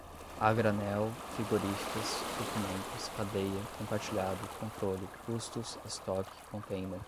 a granel frigoríficas suprimentos cadeia compartilhado controle custos estoque contêiner